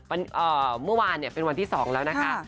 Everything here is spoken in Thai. เอ่อเมื่อวานเนี้ยเป็นวันที่สองแล้วนะคะค่ะ